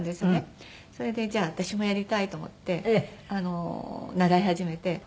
それでじゃあ私もやりたいと思って習い始めて。